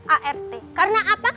art karena apa